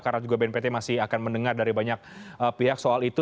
karena juga bnpt masih akan mendengar dari banyak pihak soal itu